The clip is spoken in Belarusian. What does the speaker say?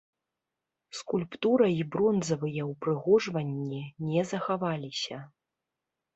Скульптура і бронзавыя ўпрыгожванні не захаваліся.